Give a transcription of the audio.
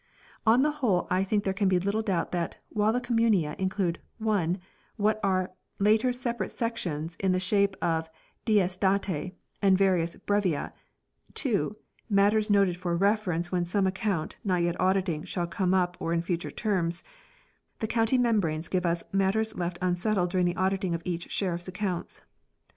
On the whole I think there can be little doubt that, while the "Communia" include (i) what are later separate sections in the shape of " dies dati " and various " Brevia," (2) matters noted for reference when some account, not yet audited, shall come up or in future terms ; the county membranes give us matters left unsettled during the auditing of each sheriff's ac counts.